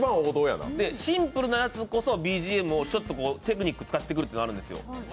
シンプルなやつこそ、ＢＧＭをちょっとテクニック使ってくるんですよ。